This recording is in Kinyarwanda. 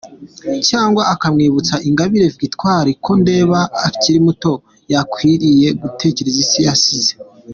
cyangwa akamwibutsa Ingabire Victoire?ko ndeba akiri muto yakwiririye duke ise yasizeee.